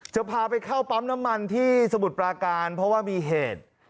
จะพาไปเข้าปั๊มน้ำมันที่สมุทรปราการเพราะว่ามีเหตุ